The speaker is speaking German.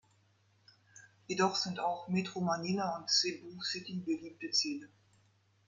Jedoch sind auch Metro Manila und Cebu City beliebte Ziele.